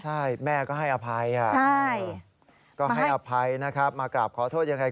ใช่แม่ก็ให้อภัยมากราบขอโทษยังไง